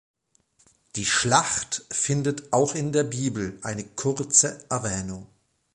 Die Schlacht findet auch in der Bibel eine kurze Erwähnung.